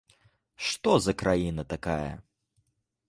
Што за краіна такая?